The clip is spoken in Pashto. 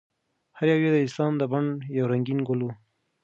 هر یو یې د اسلام د بڼ یو رنګین ګل و.